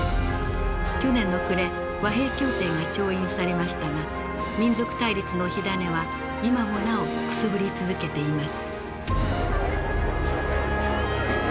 去年の暮れ和平協定が調印されましたが民族対立の火種は今もなおくすぶり続けています。